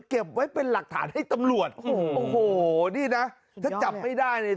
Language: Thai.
เก็บไว้เป็นหลักฐานให้ตำรวจโอ้โหนี่นะถ้าจับไม่ได้เนี่ย